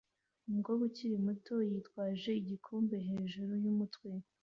Umukobwa ukiri muto yitwaje igikombe hejuru yumutwe